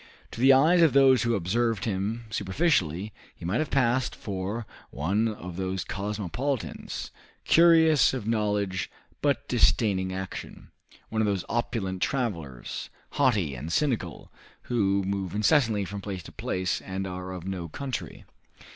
To the eyes of those who observed him superficially he might have passed for one of those cosmopolitans, curious of knowledge, but disdaining action; one of those opulent travelers, haughty and cynical, who move incessantly from place to place, and are of no country.